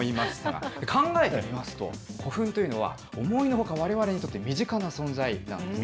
考えてみれば、古墳というのは、思いのほか、われわれにとって身近な存在なんですね。